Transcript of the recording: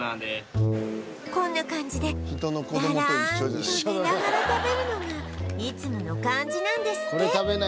こんな感じでだらんと寝ながら食べるのがいつもの感じなんですって